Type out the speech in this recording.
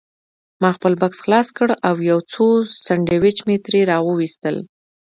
ما خپل بکس خلاص کړ او یو څو سنډوېچ مې ترې راوایستل.